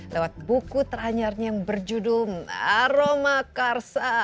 lewat buku teranyarnya yang berjudul aroma karsa